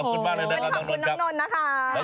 ขอบคุณมากเลยน้องนนท์ครับ